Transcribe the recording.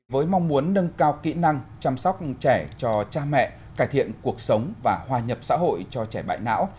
với mong muốn nâng cao kỹ năng chăm sóc trẻ cho cha mẹ cải thiện cuộc sống và hòa nhập xã hội cho trẻ bại não